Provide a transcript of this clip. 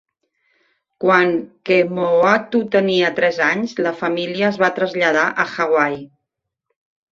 Quan Kemoeatu tenia tres anys, la família es va traslladar a Hawaii.